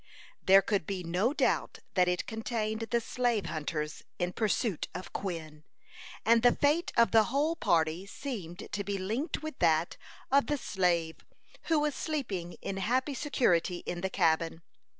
There could be no doubt that it contained the slave hunters in pursuit of Quin; and the fate of the whole party seemed to be linked with that of the slave, who was sleeping in happy security in the cabin.